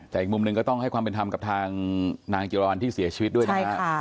แต่อีกมุมหนึ่งก็ต้องให้ความเป็นธรรมกับทางนางจิรวรรณที่เสียชีวิตด้วยนะฮะ